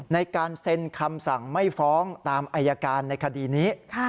ในการเซ็นคำสั่งไม่ฟ้องตามอายการในคดีนี้